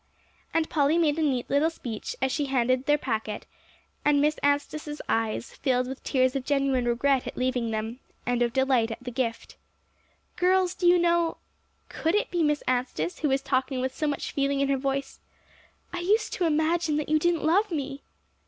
And Polly made a neat little speech as she handed her the packet; and Miss Anstice's eyes filled with tears of genuine regret at leaving them, and of delight at the gift. "Girls, do you know" could it be Miss Anstice who was talking with so much feeling in her voice? "I used to imagine that you didn't love me."